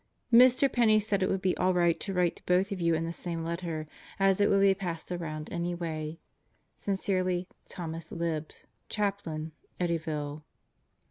Mr. Penney said it would be all right to write to both of you in the same letter, as it would be passed around anyway. Sincerely, Thomas Libs, Chaplain, Eddyville.